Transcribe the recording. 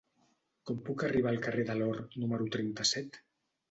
Com puc arribar al carrer de l'Or número trenta-set?